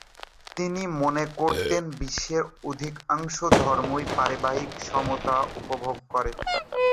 তিনি মনে করতেন বিশ্বের অধিকাংশ ধর্মই "পারিবারিক সমতা" উপভোগ করে।